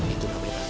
itu tapi afia